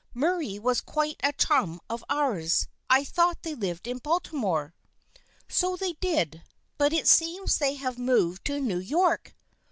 Murray was quite a chum of ours. I thought they lived in Baltimore." " So they did, but it seems they have moved to New York."